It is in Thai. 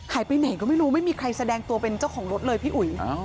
ไปไหนก็ไม่รู้ไม่มีใครแสดงตัวเป็นเจ้าของรถเลยพี่อุ๋ย